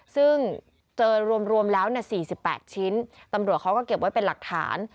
ซึ่งเจอรวมแล้ว๔๘ชิ้นตำรวจเขาก็เก็บไว้เป็นหลักฐาน